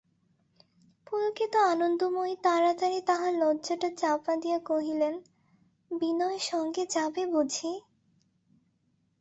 পুলকিত আনন্দময়ী তাড়াতাড়ি তাহার লজ্জাটা চাপা দিয়া কহিলেন, বিনয় সঙ্গে যাবে বুঝি?